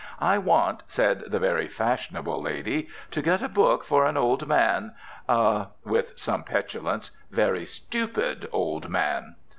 "I want," said the very fashionable lady, "to get a book for an old man a" (with some petulance) "very stupid old man."